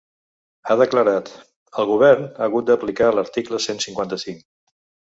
Ha declarat: El govern ha hagut d’aplicar l’article cent cinquanta-cinc.